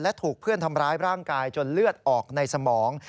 และถูกเพื่อนทำร้ายร่างกายจนเลือดออกในสมอง